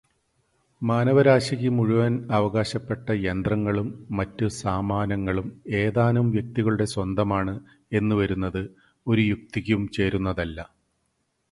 മാനവരാശിക്ക് മുഴുവൻ അവകാശപ്പെട്ട യന്ത്രങ്ങളും മറ്റ് സാമാനങ്ങളും ഏതാനും വ്യക്തികളുടെ സ്വന്തമാണ് എന്നുവരുന്നത് ഒരു യുക്തിക്കും ചേരുന്നതല്ല.